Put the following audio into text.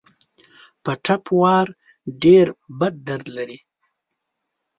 په ټپ وار ډېر بد درد لري.